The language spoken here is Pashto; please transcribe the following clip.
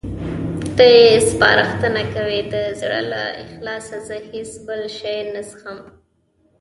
ته یې سپارښتنه کوې؟ د زړه له اخلاصه، زه هېڅ بل شی نه څښم.